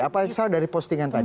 apa yang salah dari postingan tadi